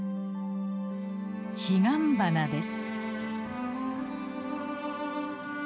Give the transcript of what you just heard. ヒガンバナです。